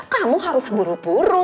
kamu harus buru buru